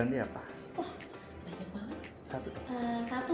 kalo misalnya dia ada konser dengan aku